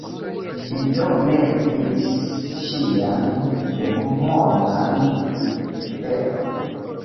Vi do ne vidis ŝian demonan rideton?